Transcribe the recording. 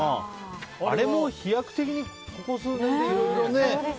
あれも飛躍的にここ数年でね。